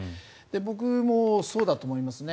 僕もそうだと思いますね。